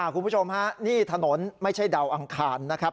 คุณผู้ชมฮะนี่ถนนไม่ใช่ดาวอังคารนะครับ